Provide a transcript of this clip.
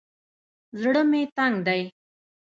زړه مې تنګ دى.